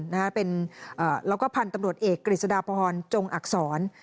แล้วก็พันธุ์ตำรวจเอกกฤษฎาพรจงอักษร